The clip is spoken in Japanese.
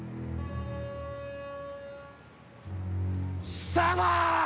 貴様！